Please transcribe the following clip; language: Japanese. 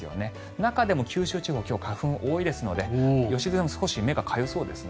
中でも九州地方今日は花粉が多いですので良純さん少し目がかゆそうですね。